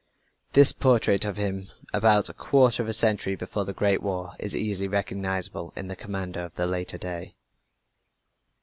This portrait of him about a quarter of a century before the Great War is easily recognizable in the commander of the later day.